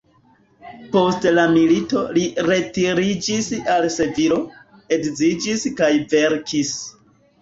Post la milito li retiriĝis al Sevilo, edziĝis kaj verkis.